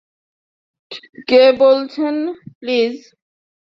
কে বলছেন, প্লিজ?